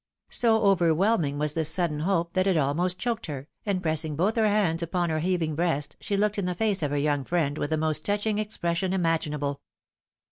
So overwhelming was this sudden hope that it almost choked her, and pressing both her hands upon her heaving breast, she looked in the face of her young friend with the most touching expression imaginable.